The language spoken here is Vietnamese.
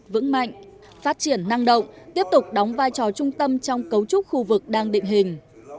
vững mạnh phát triển năng động tiếp tục đóng vai trò trung tâm trong cấu trúc khu vực đang định hình